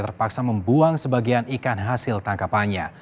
terpaksa membuang sebagian ikan hasil tangkapannya